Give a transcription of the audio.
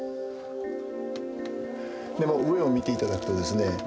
上を見て頂くとですね